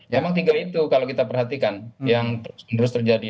memang tinggal itu kalau kita perhatikan yang terus menerus terjadi